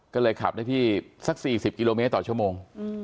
ก็เลยขับได้ที่สัก๔๐กิโลเมตรต่อชั่วโมง